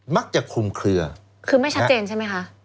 มักจะคลุมเคลือคือไม่ชัดเจนใช่ไหมคะ